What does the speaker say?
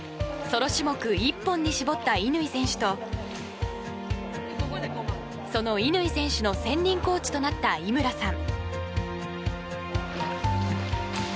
ソロ種目一本に絞った乾選手とその乾選手の専任コーチとなった井村さん。